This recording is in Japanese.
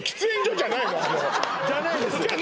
じゃないです